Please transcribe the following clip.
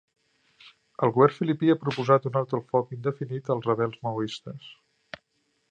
El govern filipí ha proposat un alto el foc indefinit als rebels maoistes